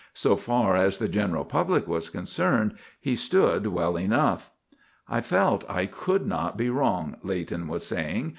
So far as the general public was concerned, he stood well enough. "I felt I could not be wrong," Leighton was saying.